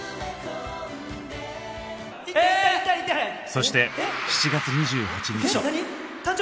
そして７月２８日。